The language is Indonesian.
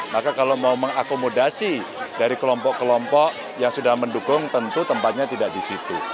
maka kalau mau mengakomodasi dari kelompok kelompok yang sudah mendukung tentu tempatnya tidak di situ